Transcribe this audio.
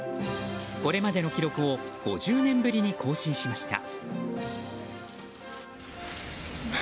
これまでの記録を５０年ぶりに更新しました。